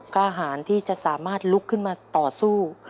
กล้าหารที่จะสามารถลุกขึ้นมาต่อสู้